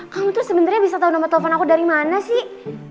kamu tuh sebenernya bisa tau nama telfon aku dari mana sih